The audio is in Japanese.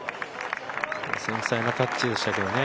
繊細なタッチでしたけどね。